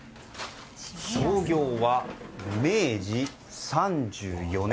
創業は明治３４年。